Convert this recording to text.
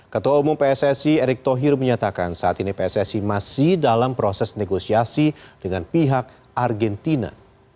ketua umum pssi erick thohir menyatakan saat ini pssi masih dalam proses negosiasi dengan pihak argentina